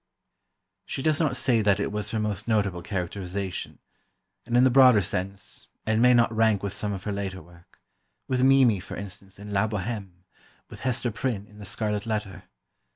She does not say that it was her most notable characterization, and in the broader sense, it may not rank with some of her later work: with Mimi, for instance, in "La Bohême"; with Hester Prynne, in "The Scarlet Letter."